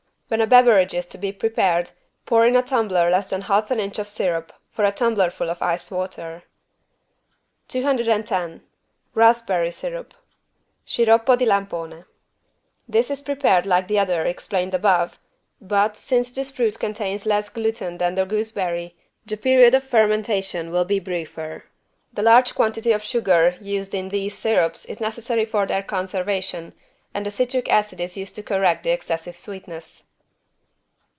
When a beverage is to be prepared pour in a tumbler less than half an inch of syrup for a tumblerful of ice water. 210 RASPBERRY SYRUP (Sciroppo di lampone) This is prepared like the other explained above but, since this fruit contains less gluten than the gooseberry the period of fermentation will be briefer. The large quantity of sugar used in these syrups is necessary for their conservation and the citric acid is used to correct the excessive sweetness.